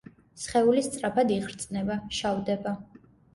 სხეული სწრაფად იხრწნება, შავდება.